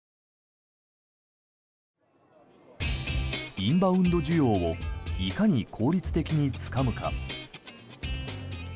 インバウンド需要をいかに効率的につかむか。